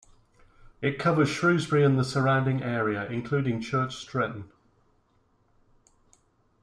It covers Shrewsbury and the surrounding area, including Church Stretton.